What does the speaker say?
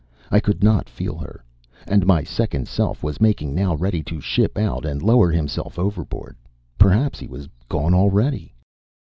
I could not feel her. And my second self was making now ready to ship out and lower himself overboard. Perhaps he was gone already...?